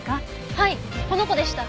はいこの子でした。